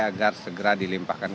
agar segera dilimpahkan